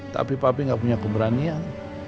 tapi papi gak punya keberanian